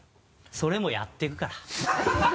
それもやっていくから。